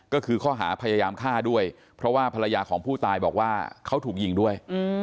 ก็คือข้อหาพยายามฆ่าด้วยเพราะว่าภรรยาของผู้ตายบอกว่าเขาถูกยิงด้วย